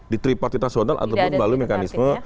di tripartit nasional ataupun melalui mekanisme